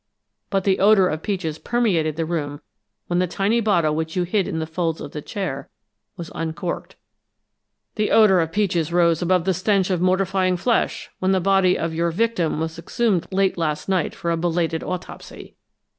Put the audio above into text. But the odor of peaches permeated the room when the tiny bottle which you hid in the folds of the chair was uncorked the odor of peaches rose above the stench of mortifying flesh, when the body of your victim was exhumed late last night for a belated autopsy!